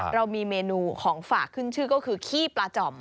เรามีเมนูของฝากขึ้นชื่อก็คือขี้ปลาจ่อม